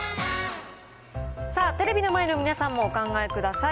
さあ、テレビの前の皆さんもお考えください。